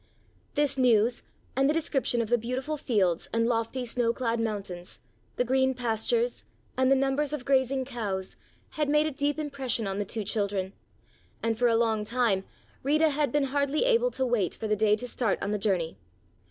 This news and the description of the beautiful fields and lofty snow clad mountains, the green pastures and the numbers of grazing cows, had made a deep impression on the two children, and for a long time Rita had been hardly able to wait for the day to start on the journey.